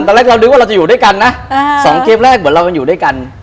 ตอนแรกเรานึกว่าเราจะอยู่ด้วยกันนะสองเกมแรกเหมือนเรายังอยู่ด้วยกัน